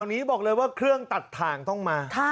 นี้บอกเลยว่าเครื่องตัดถ่างต้องมา